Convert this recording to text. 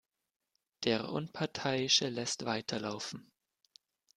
Der Unparteiische lässt weiterlaufen.